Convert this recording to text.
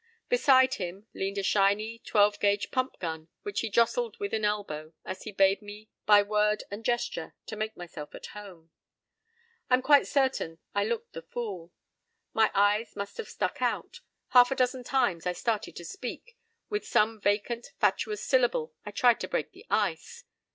Beside him leaned a shiny, twelve gauge pump gun which he jostled with an elbow as he bade me by word and gesture to make myself at home. I'm quite certain I looked the fool. My eyes must have stuck out. Half a dozen times I started to speak. With some vacant, fatuous syllable I tried to break the ice.